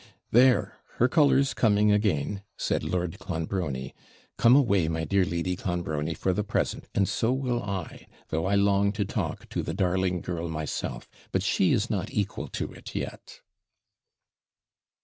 'There! her colour's coming again,' said Lord Clonbrony; 'come away, my dear Lady Clonbrony, for the present, and so will I though I long to talk to the darling girl myself; but she is not equal to it yet.'